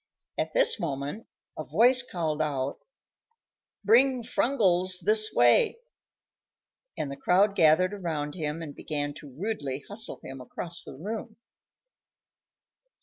At this moment a voice called out, "Bring Frungles this way;" and the crowd gathered around him and began to rudely hustle him across the room.